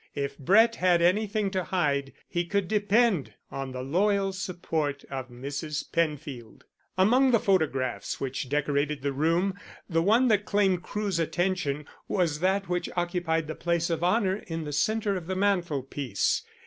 If Brett had anything to hide he could depend on the loyal support of Mrs. Penfield. Among the photographs which decorated the room, the one that claimed Crewe's attention was that which occupied the place of honour in the centre of the mantelpiece.